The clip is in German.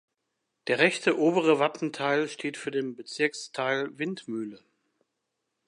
Der rechte, obere Wappenteil steht für den Bezirksteil Windmühle.